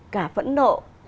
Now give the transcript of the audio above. cả phẫn nộ